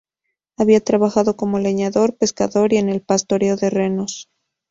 Había trabajado como leñador, pescador y en el pastoreo de renos.